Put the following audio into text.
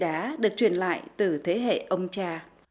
đó là những viên đá được truyền lại từ thế hệ ông cha